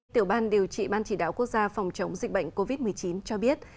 tiểu ban điều trị ban chỉ đạo quốc gia phòng chống dịch bệnh covid một mươi chín cho biết